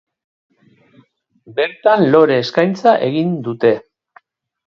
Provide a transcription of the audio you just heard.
Bertan lore eskaintza egin dute.